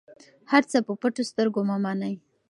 هر څه په پټو سترګو مه منئ.